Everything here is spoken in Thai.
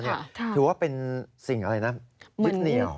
ถือว่าเป็นสิ่งยึดเหนียว